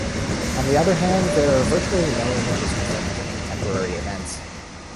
On the other hand, there are virtually no images referring to contemporary events.